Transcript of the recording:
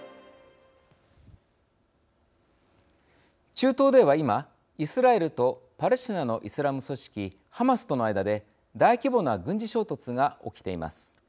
中東では、今イスラエルとパレスチナのイスラム組織ハマスとの間で大規模な軍事衝突が起きています。